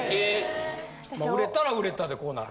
売れたら売れたでこうなる。